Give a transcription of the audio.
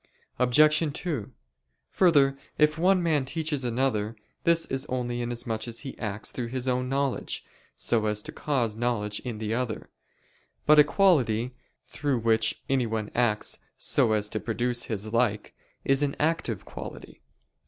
Obj. 2: Further, if one man teaches another this is only inasmuch as he acts through his own knowledge, so as to cause knowledge in the other. But a quality through which anyone acts so as to produce his like, is an active quality.